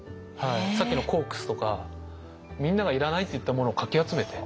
さっきのコークスとかみんながいらないって言ったものをかき集めて。